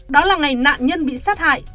đó là ngày nạn nhân bị sát hại